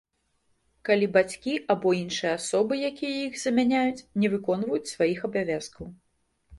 Калі бацькі або іншыя асобы, якія іх замяняюць, не выконваюць сваіх абавязкаў.